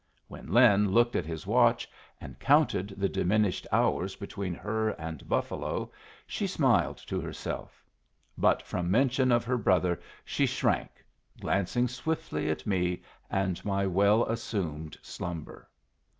When Lin looked at his watch and counted the diminished hours between her and Buffalo, she smiled to herself; but from mention of her brother she shrank, glancing swiftly at me and my well assumed slumber.